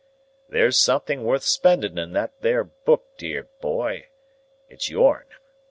"There's something worth spending in that there book, dear boy. It's yourn.